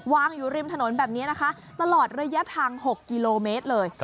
วางอยู่ริมถนนแบบนี้นะคะตลอดระยะทาง๖กิโลเมตรเลย